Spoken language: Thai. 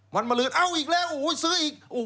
วันมาเรือนเอาอีกแล้วซื้ออีก